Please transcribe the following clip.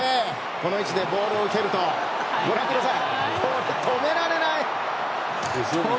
この位置でボールを受けるとご覧ください、止められない！